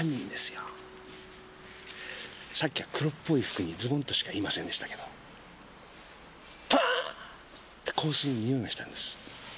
さっきは「黒っぽい服にズボン」としか言いませんでしたけどプンって香水のにおいがしたんです。